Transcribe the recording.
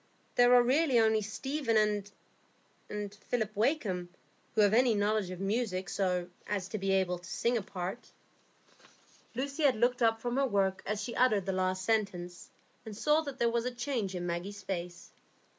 There are really only Stephen and Philip Wakem who have any knowledge of music, so as to be able to sing a part." Lucy had looked up from her work as she uttered the last sentence, and saw that there was a change in Maggie's face.